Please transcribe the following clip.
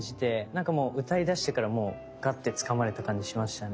なんかもう歌い出してからもうガッてつかまれた感じしましたね。